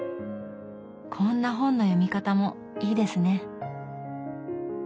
こんな本の読み方もいいですね。